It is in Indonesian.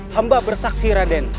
hamba bersaksi raden